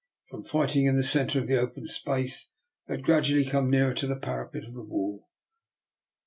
From fighting in the centre of the open space, they gradually came nearer the parapet of the wall.